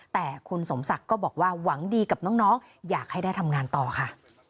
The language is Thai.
แต่คุณสมศักดิ์ก็บอกว่าหวังดีกับน้องอยากให้ได้ทำงานต่อค่ะ